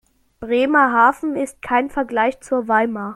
Bremerhaven ist kein Vergleich zu Weimar